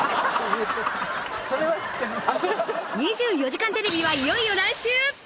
『２４時間テレビ』はいよいよ来週！